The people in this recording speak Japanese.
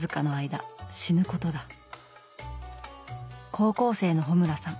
高校生の穂村さん